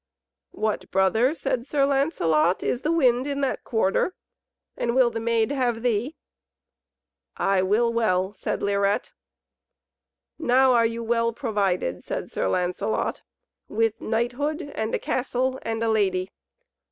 "What, brother," said Sir Lancelot, "is the wind in that quarter? And will the Maid have thee?" "I will well," said Lirette. "Now are you well provided," said Sir Lancelot, "with knighthood, and a castle, and a lady.